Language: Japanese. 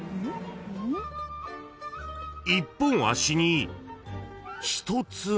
［一本足に一つ目。